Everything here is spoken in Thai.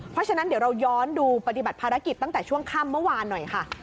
เพราะฉะนั้นเดี๋ยวเราย้อนดูปฏิบัติภารกิจตั้งแต่ช่วงค่ำเมื่อวานหน่อยค่ะ